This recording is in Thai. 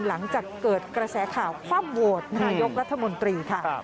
หลังจากเกิดกระแสข่าวคว่ำโหวตนายกรัฐมนตรีค่ะ